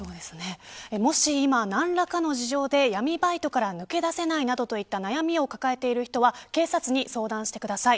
もし何らかの事情で闇バイトから抜け出さないなどといった悩みを抱えている人は警察に相談してください。